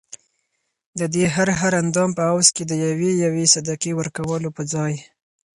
ددې هر هر اندام په عوض کي د یوې یوې صدقې ورکولو په ځای